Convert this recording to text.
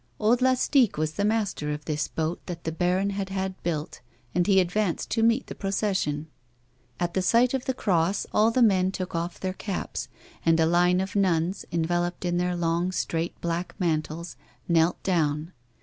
Old Lastique was the master of this boat that the baron had had built, and he advanced to meet the procession. At the sight of the cross all the men took off their caps, and a line of nuns, enveloped in their long, straight, black mantles, knelt doAvn.